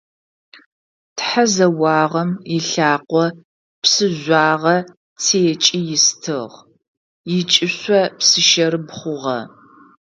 Тхьэзэуагъэм ылъакъо псыжъуагъэ текӏи ыстыгъ, ыкӏышъо псыщэрэб хъугъэ.